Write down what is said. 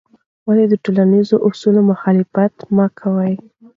ولې د ټولنیزو اصولو مخالفت مه کوې؟